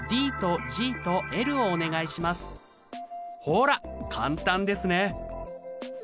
ほら簡単ですね。